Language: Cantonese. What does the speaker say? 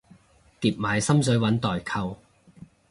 疊埋心水搵代購